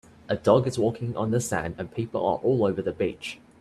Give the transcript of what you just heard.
A dog is walking on the sand and people are all over the beach